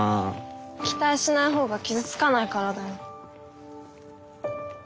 期待しないほうが傷つかないからだよ。